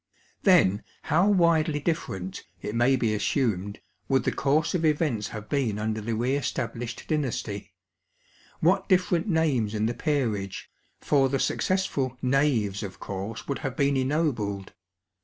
Then how widely different, it may be assumed, would the course of events have been under the re established dynasty — what different names in the peerage ; for the successful " knaves" of course would have been ennobled.